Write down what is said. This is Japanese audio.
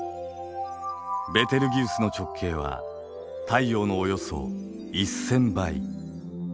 ベテルギウスの直径は太陽のおよそ１，０００倍。